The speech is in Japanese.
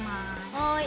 はい。